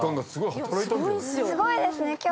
すごいですね。